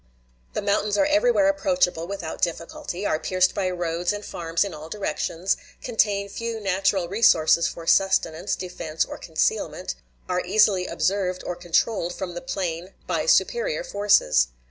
The mountains are everywhere approachable without difficulty; are pierced by roads and farms in all directions; contain few natural resources for sustenance, defense, or concealment; are easily observed or controlled from the plain by superior forces.